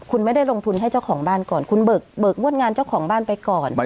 คุณไม่ได้ลงทุนให้เจ้าของบ้านก่อนคุณเบิกงวดงานเจ้าของบ้านไปก่อน